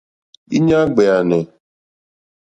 Íɲá ɡbèànè.